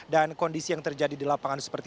dan kondisi yang terjadi di lapangan